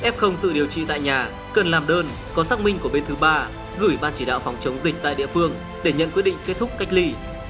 f tự điều trị tại nhà cần làm đơn có xác minh của bên thứ ba gửi ban chỉ đạo phòng chống dịch tại địa phương để nhận quyết định kết thúc cách ly